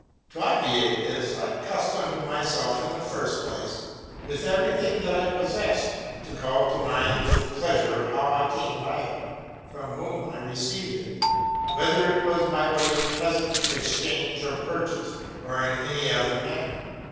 To obviate this, I accustomed "myself, in the first place, with every thing that I possessed, to call to mind with pleasure how I came by it, from whom I received it, whether it was by way of present, exchange, or purchase, or in any other manner.